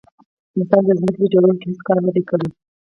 انسان د ځمکې په جوړولو کې هیڅ کار نه دی کړی.